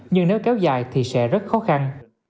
nhưng nếu kéo dài thì sẽ rất khó khăn